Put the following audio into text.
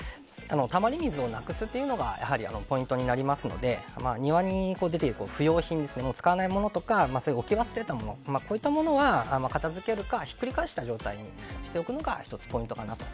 たまり水をなくすというのがやはりポイントになりますので庭に出ている不用品使わないものとか置き忘れたものこういったものは、片付けるかひっくり返した状態にしておくのが１つポイントかなと。